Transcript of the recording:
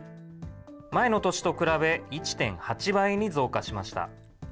前の年と比べ、１．８倍に増加しました。